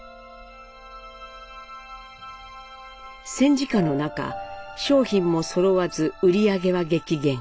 戦時下の中商品もそろわず売り上げは激減。